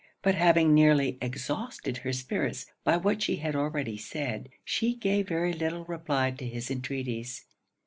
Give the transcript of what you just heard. But having nearly exhausted her spirits by what she had already said, she gave very little reply to his entreaties.